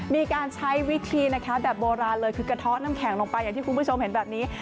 มีการใช้วิธีนะคะแบบโบราณเลยคือกระเทาะน้ำแข็งลงไปอย่างที่คุณผู้ชมเห็นแบบนี้